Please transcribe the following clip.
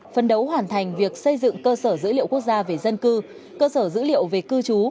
phân đấu hoàn thành việc xây dựng cơ sở dữ liệu quốc gia về dân cư cơ sở dữ liệu về cư trú